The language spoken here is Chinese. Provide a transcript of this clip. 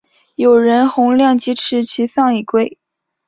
友人洪亮吉持其丧以归。